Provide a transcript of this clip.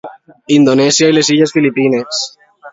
Indonèsia i les illes Filipines.